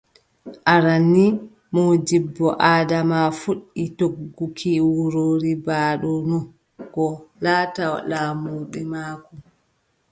Aran nii Moodibbo Adama fuɗɗi togguki wuro Ribaaɗo no ngo laata laamurde maako.